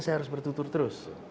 saya harus bertutur terus